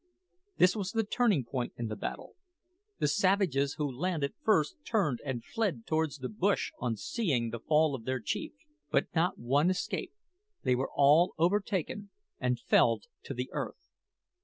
This was the turning point in the battle. The savages who landed first turned and fled towards the bush on seeing the fall of their chief. But not one escaped; they were all overtaken and felled to the earth.